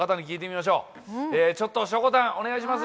ちょっとしょこたんお願いします。